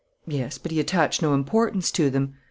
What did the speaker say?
"Yes, but he attached no importance to them."